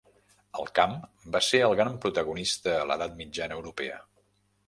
El camp va ser el gran protagonista a l'Edat Mitjana europea.